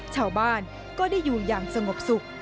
ชาวบ้านก็ได้อยู่อย่างสงบสุข